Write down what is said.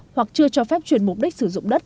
hoặc chưa cho phép chuyển mục đích sử dụng đất